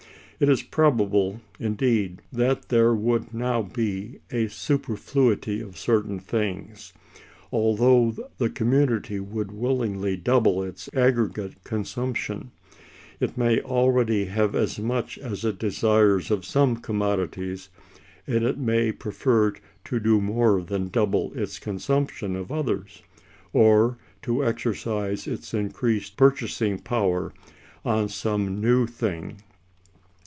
It is probable, indeed, that there would now be a superfluity of certain things. Although the community would willingly double its aggregate consumption, it may already have as much as it desires of some commodities, and it may prefer to do more than double its consumption of others, or to exercise its increased purchasing power on some new thing.